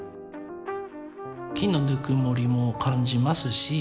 木のぬくもりも感じますし。